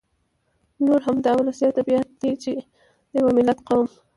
نو همدا ولسي ادبيات دي چې د يوه ملت ، قوم